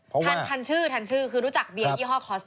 ทันชื่อคือรู้จักเบียร์ยี่ห้อคลอสเตอร์